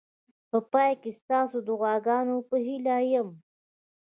په پای کې ستاسو د دعاګانو په هیله یم.